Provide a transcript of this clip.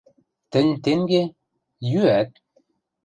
— Тӹнь тенге... йӱӓт?